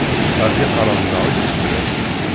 Ɣef yiqerra-nneɣ i tt-fran.